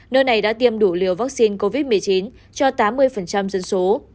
nơi này đã tiêm đủ liều vaccine covid một mươi chín cho tám mươi dân số